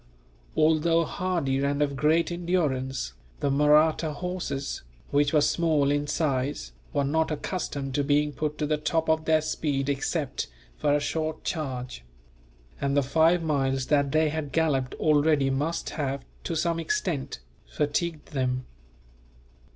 Although hardy and of great endurance, the Mahratta horses, which were small in size, were not accustomed to being put to the top of their speed except for a short charge; and the five miles that they had galloped already must have, to some extent, fatigued them.